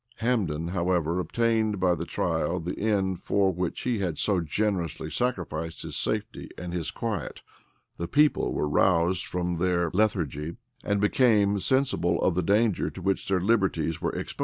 Hambden, however, obtained by the trial the end for which he had so generously sacrificed his safety and his quiet: the people were roused from their lethargy, and became sensible of the danger to which their liberties were exposed.